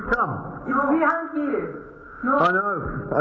ฉันรู้ฉันเข้าใจ